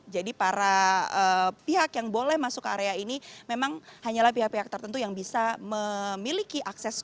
jadi para pihak yang boleh masuk ke area ini memang hanyalah pihak pihak tertentu yang bisa memiliki akses